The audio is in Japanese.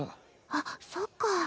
あっそっか。